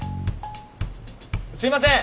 すいません！